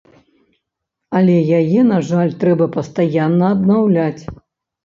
Але яе, на жаль, трэба пастаянна аднаўляць.